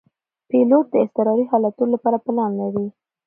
پیلوټ د اضطراري حالتونو لپاره پلان لري.